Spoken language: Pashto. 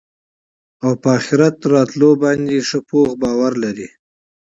او په آخرت راتلو باندي ښه پوخ باور لري